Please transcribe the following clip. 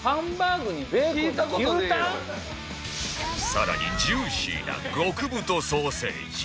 更にジューシーな極太ソーセージ